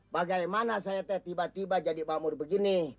bagaimana saya teh tiba tiba jadi bamur begini